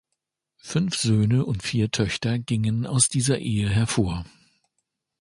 Fünf Söhne und vier Töchter gingen aus dieser Ehe hervor.